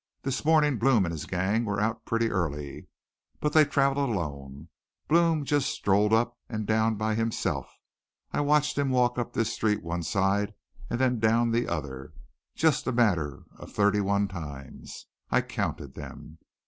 This morning Blome and his gang were out pretty early. But they traveled alone. Blome just strolled up and down by himself. I watched him walk up this street on one side and then down the other, just a matter of thirty one times. I counted them.